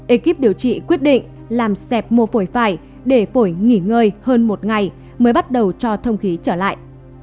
ekip điều trị quyết định làm sạch mô phổi phải để phổi nghỉ ngơi hơn một ngày mới bắt đầu cho thông khí trở lại